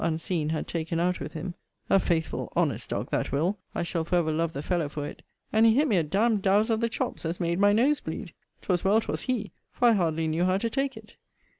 unseen, had taken out with him, [a faithful, honest dog, that Will.! I shall for ever love the fellow for it,] and he hit me a d d dowse of the chops, as made my nose bleed. 'Twas well 'twas he, for I hardly knew how to take it.